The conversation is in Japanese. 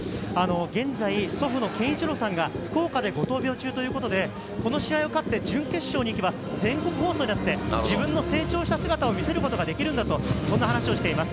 現在、祖父のけんいちろうさんが福岡でご闘病中ということで、この試合を勝って準決勝に行けば全国放送になって、自分の成長した姿を見せることができるんだと話をしています。